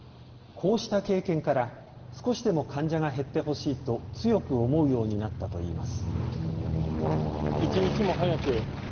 こうした経験から少しでも患者が減ってほしいと強く思うようになったといいます。